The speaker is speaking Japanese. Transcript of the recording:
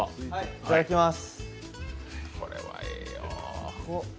いただきます。